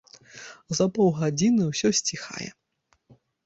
За паўгадзіны ўсё сціхае.